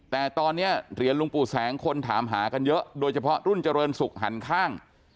แต่ตอนนี้เหรียญหลวงปู่แสงคนถามหากันเยอะโดยเฉพาะรุ่นเจริญศุกร์หันข้าง